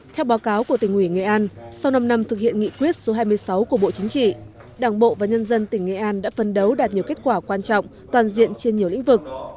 theo báo cáo của tỉnh ủy nghệ an sau năm năm thực hiện nghị quyết số hai mươi sáu của bộ chính trị đảng bộ và nhân dân tỉnh nghệ an đã phân đấu đạt nhiều kết quả quan trọng toàn diện trên nhiều lĩnh vực